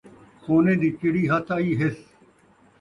سونے دی چڑی ہتھ آئی ہس